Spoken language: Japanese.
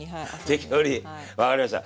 適当に分かりました。